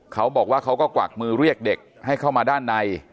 เขาบอกว่าเขาก็กวักมือเรียกเด็กให้เข้ามาด้านใน